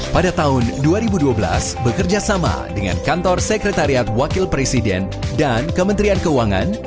pada tahun dua ribu dua belas bekerjasama dengan kantor sekretariat wakil presiden dan kementerian keuangan